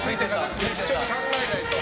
一緒に考えないと。